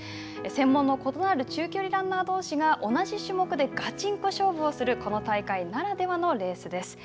専門の異なる中距離ランナー同士が同じ種目で勝負をするこの大会ならではのレースです。